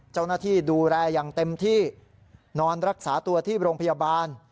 เจ้าหน้าที่ดูแลอย่างเต็มที่นอนรักษาตัวที่โรงพยาบาล